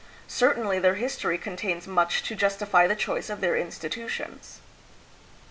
Certainly their history contains much to justify the choice of their institutions.